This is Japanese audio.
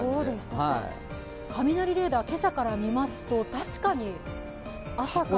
雷レーダーを今朝から見ますと、確かに朝から。